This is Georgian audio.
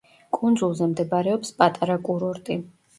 კუნძულზე მდებარეობს პატარა კურორტი.